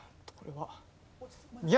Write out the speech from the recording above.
これは。